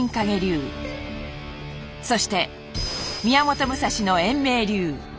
そして宮本武蔵の円明流。